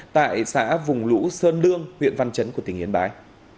tại xã vùng lũ sơn lương huyện văn chấn của tỉnh yên bái